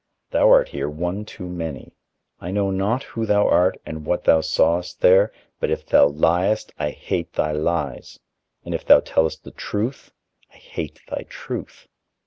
Thou art here one too many. I know not who thou art and what thou sawest there; but, if thou liest, I hate thy lies, and if thou tellst the truth, I hate thy truth.